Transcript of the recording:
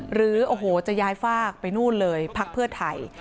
หรือโอ้โหจะย้ายฝากไปนู่นเลยพักเพื่อไทย